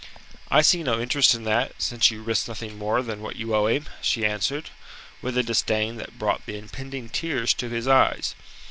"I see no interest in that, since you risk nothing more than what you owe him," she answered, with a disdain that brought the impending tears to his eyes.